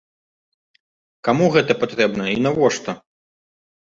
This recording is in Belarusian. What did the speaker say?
Каму гэта патрэбна і навошта?